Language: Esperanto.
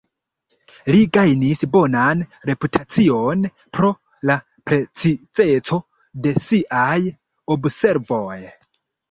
Li gajnis bonan reputacion pro la precizeco de siaj observoj.